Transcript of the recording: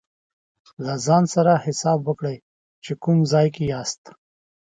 له ځان سره حساب وکړئ چې کوم ځای کې یاست.